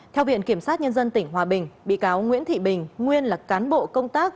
theo viện kiểm sát nhân dân tỉnh hòa bình bị cáo nguyễn thị bình nguyên là cán bộ công tác